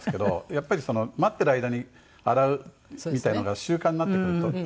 やっぱり待っている間に洗うみたいなのが習慣になってくると。